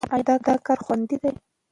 ایا دا کار خوندي دی؟